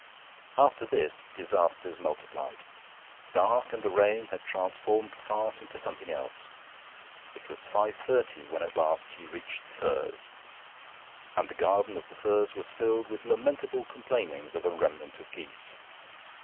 After this disasters multiplied. Dark and the rain had transformed the farce into something else. It was five thirty when at last he reached The Firs, and the garden of The Firs was filled with lamentable complainings of a remnant of geese.